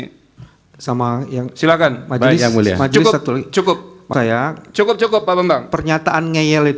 tetapi karena memang kenyataannya yang mulia memang membutuhkan informasi tersebut